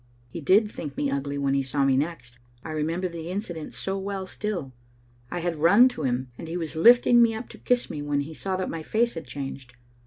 He did think me ugly when he saw me next. I remember the incident so well still. I had run to him, and he was lifting me up to kiss me when he saw that my face had changed.